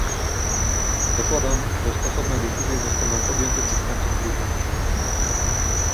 Zakładam, że stosowne decyzje zostaną podjęte przed końcem grudnia